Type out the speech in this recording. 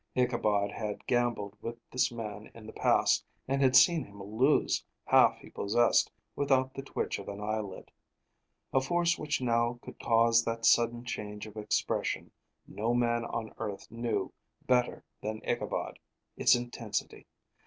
Ichabod had gambled with this man in the past, and had seen him lose half he possessed without the twitch of an eyelid. A force which now could cause that sudden change of expression no man on earth knew, better than Ichabod, its intensity.